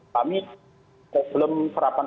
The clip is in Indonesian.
kami sebelum serapan